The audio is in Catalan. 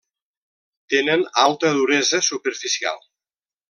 Tenen alta duresa superficial.